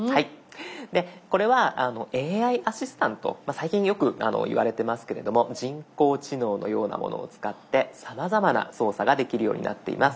最近よく言われてますけれども人工知能のようなものを使ってさまざまな操作ができるようになっています。